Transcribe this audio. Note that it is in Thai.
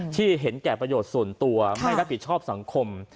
ที่เห็นแก่ประโยชน์ส่วนตัวไม่รับผิดชอบสังคม